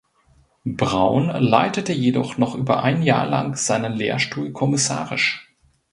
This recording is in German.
Braun leitete jedoch noch über ein Jahr lang seinen Lehrstuhl kommissarisch.